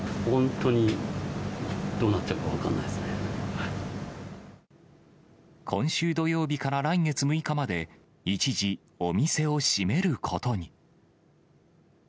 本当に、どうなっちゃうのか分か今週土曜日から来月６日まで、一時、お店を閉めることに。